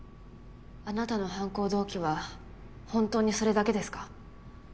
あなたの犯行動機は本当にそれだけですか？